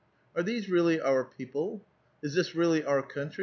381 "Are these really our people? Is this really our country?